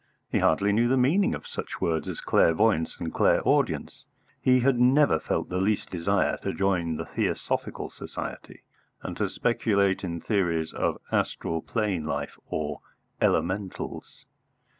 He hardly knew the meaning of such words as "clairvoyance" and "clairaudience." He had never felt the least desire to join the Theosophical Society and to speculate in theories of astral plane life, or elementals.